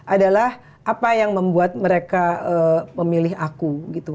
adalah apa yang membuat mereka memilih aku gitu